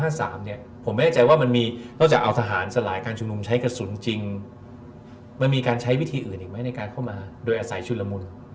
ผมไม่แน่ใจว่ามันมีนอกจากเอาทหารสลายการชุมนุมใช้กระสุนจริงมันมีการใช้วิธีอื่นอีกไหมในการเข้ามาโดยอาศัยชุดละมุน